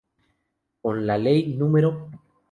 Con la Ley no.